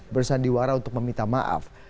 bersandiwara untuk meminta maaf